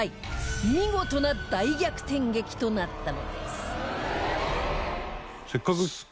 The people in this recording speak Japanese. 見事な大逆転劇となったのです